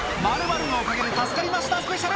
○○のおかげで助かりましたスペシャル。